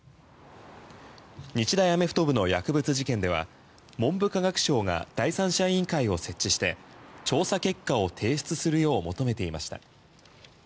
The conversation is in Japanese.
日大アメフト部の薬物事件では文部科学省が第三者委員会を設置して調査結果を提出するよう求めていました。